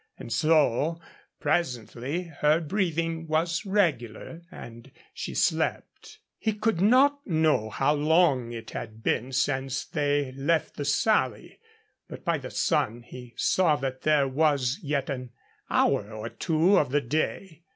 And so, presently, her breathing was regular, and she slept. He could not know how long it had been since they left the Sally, but by the sun he saw that there was yet an hour or two of the day.